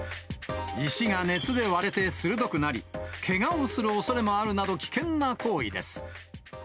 石が熱で割れて鋭くなり、けがをするおそれもあるなど、危険な行為です。